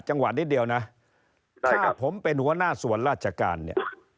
จังหวะนิดเดียวนะถ้าผมเป็นหัวหน้าส่วนราชการเนี่ย